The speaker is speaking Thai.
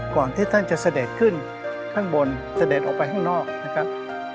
ก่อนที่ท่านจะเสด็จขึ้นข้างบนเสด็จออกไปข้างนอกนะครับ